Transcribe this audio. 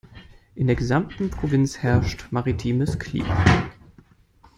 In der gesamten Provinz herrscht maritimes Klima.